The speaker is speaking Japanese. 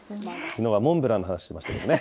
きのうはモンブランの話ししてましたけどね。